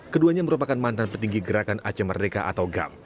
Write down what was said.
keduanya merupakan mantan petinggi gerakan aceh merdeka atau gam